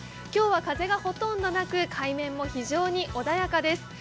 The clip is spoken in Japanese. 今日は風がほとんどなく海面も非常に穏やかです。